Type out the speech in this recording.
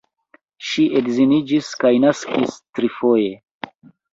Ŝi edziniĝis kaj naskis trifoje.